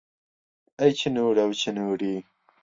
ئەی چنوورە و چنووری